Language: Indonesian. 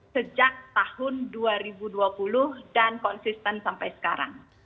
sejak tahun dua ribu dua puluh dan konsisten sampai sekarang